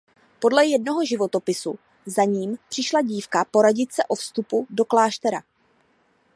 Podle jednoho životopisu za ním přišla dívka poradit se o vstupu do kláštera.